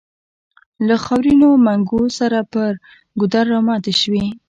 له خاورينو منګو سره پر ګودر راماتې شوې.